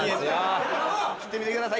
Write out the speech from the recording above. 切ってみてください